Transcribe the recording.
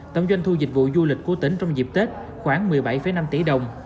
tổng doanh thu dịch vụ du lịch của tỉnh trong dịp tết khoảng một mươi bảy năm tỷ đồng